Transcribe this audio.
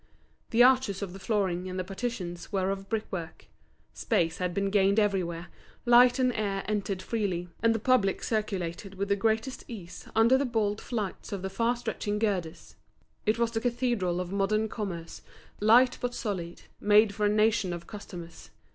The arches of the flooring and the partitions were of brickwork. Space had been gained everywhere, light and air entered freely, and the public circulated with the greatest ease under the bold flights of the far stretching girders. It was the cathedral of modern commerce, light but solid, made for a nation of customers.